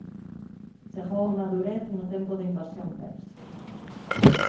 Chegou á madurez no tempo da invasión persa.